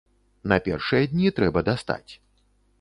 На першыя дні трэба дастаць.